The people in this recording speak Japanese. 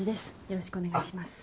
よろしくお願いします。